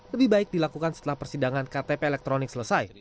lebih baik dilakukan setelah persidangan ktp elektronik selesai